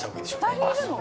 「２人いるの？」